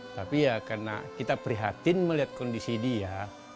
tapi ya karena kita prihatin melihat kondisi dia